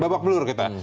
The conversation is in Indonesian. babak belur kita